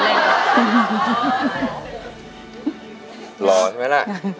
รอรอรอรอ